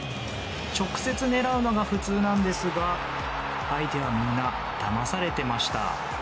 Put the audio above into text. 直接狙うのが普通なんですが相手はみんなだまされてました。